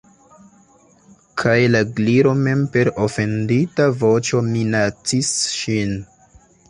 Kaj la Gliro mem per ofendita voĉo minacis ŝin.